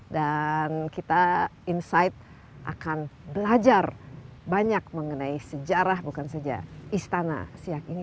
dan kita insight akan belajar banyak mengenai sejarah bukan saja istana siak ini